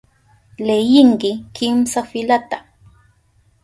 Leyinki kimsa filata.